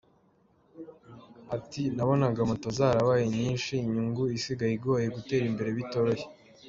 Ati “ nabonaga moto zarabaye nyinshi, inyungu isigaye igoye, gutera imbere bitoroshye.